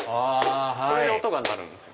これで音が鳴るんです。